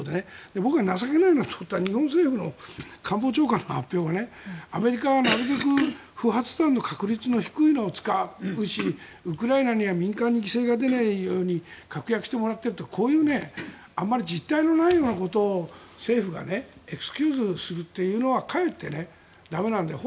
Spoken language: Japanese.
僕は情けないと思ったのは日本政府の官房長官の発表がアメリカはなるべく不発弾の確率の低いのを使うしウクライナには民間に犠牲が出ないように確約してもらってるとかこういうあまり実体のないようなことを政府がエクスキューズするというのはかえって駄目なんだと。